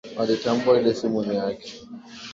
Aliitambua ile simu ni yake